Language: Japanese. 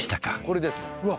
これですうわ